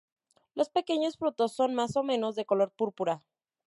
Los pequeños frutos son más o menos de color púrpura.